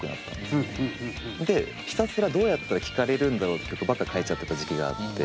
でひたすらどうやったら聴かれるんだろうって曲ばっか書いちゃってた時期があって。